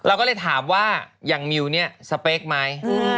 เราเลยถามว่าอย่างมิวนี้สเปคมั้ย